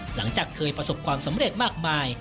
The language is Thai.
หลังจากเคยประสบความสำเร็จมากมาย